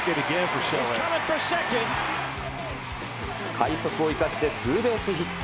快足を生かしてツーベースヒット。